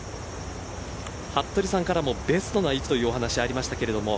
服部さんからもベストな位置というお話がありました。